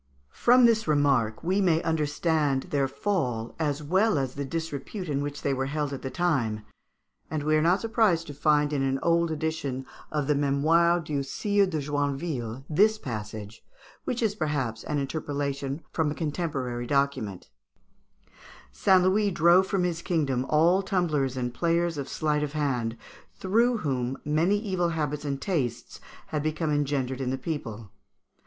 ] From this remark we may understand their fall as well as the disrepute in which they were held at that time, and we are not surprised to find in an old edition of the "Mémoires du Sire de Joinville" this passage, which is, perhaps, an interpolation from a contemporary document: "St. Louis drove from his kingdom all tumblers and players of sleight of hand, through whom many evil habits and tastes had become engendered in the people."